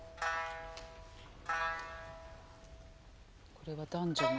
これは男女の。